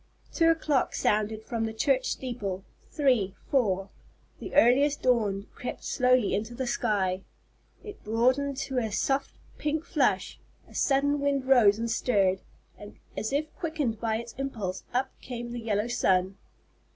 Two o'clock sounded from the church steeple, three, four. The earliest dawn crept slowly into the sky. It broadened to a soft pink flush, a sudden wind rose and stirred, and as if quickened by its impulse up came the yellow sun.